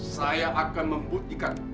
saya akan membuktikan